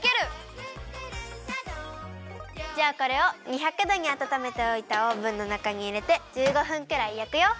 「クックルンシャドー」じゃあこれを２００どにあたためておいたオーブンのなかにいれて１５分くらいやくよ！